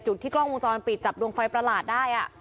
จุดที่กล้องมุมจรปิดจับดวงไฟประหลาดได้อ่ะ